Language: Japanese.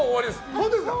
本当ですか。